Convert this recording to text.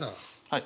はい。